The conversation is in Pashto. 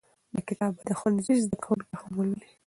دا کتاب باید د ښوونځي زده کوونکي هم ولولي.